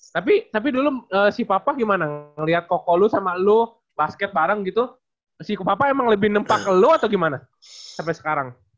tapi tapi dulu si papa gimana ngeliat koko lu sama lu basket bareng gitu si papa emang lebih nempak ke lu atau gimana sampai sekarang